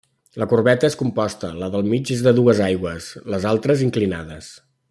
La coberta és composta, la del mig és dues aigües, les altres inclinades.